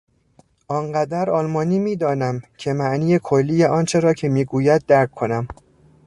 آنقدر آلمانی میدانم که معنی کلی آنچه را که میگوید درک کنم.